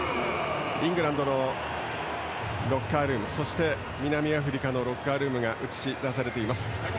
イングランドのロッカールームそして、南アフリカのロッカールームが映し出されています。